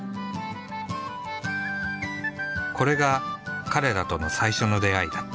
これが彼らとの最初の出会いだった。